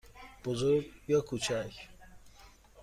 بزرگ یا کوچک؟